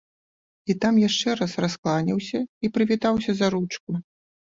І там яшчэ раз раскланяўся і прывітаўся за ручку.